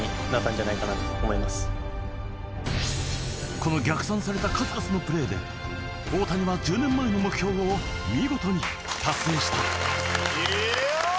この逆算された数々のプレーで大谷は１０年前の目標を見事に達成した。